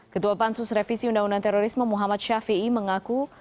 ketua pansus revisi undang undang terorisme muhammad syafiee mengaku